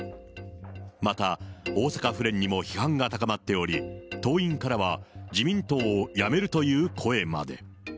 また、大阪府連にも批判が高まっており、党員からは自民党を辞めるという声まで。